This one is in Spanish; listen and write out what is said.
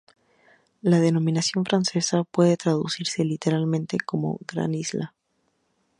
La denominación francesa puede traducirse, literalmente, como Gran Isla.